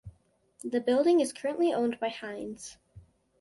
The building is currently owned by Hines.